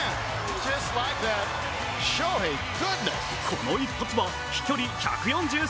この一発は飛距離１４３ｍ。